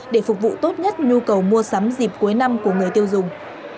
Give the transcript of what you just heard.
để phục vụ tốt nhất nhu cầu mua sắm dịp cuối năm của người tiêu dùng